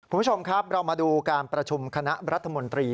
คุณผู้ชมครับเรามาดูการประชุมคณะรัฐมนตรี